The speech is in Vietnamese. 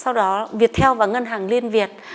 sau đó viettel và ngân hàng liên việt